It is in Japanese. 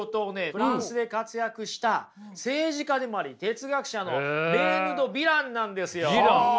フランスで活躍した政治家でもあり哲学者のメーヌ・ド・ビランなんですよ。